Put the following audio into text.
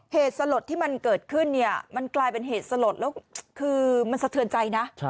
เหตุสลดที่มันเกิดขึ้นเนี่ยมันกลายเป็นเหตุสลดแล้วคือมันสะเทือนใจนะ